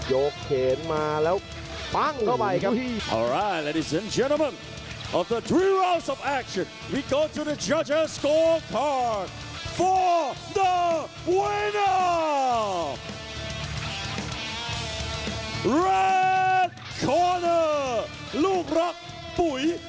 ยกเขนมาแล้วปั๊งก็ไปครับ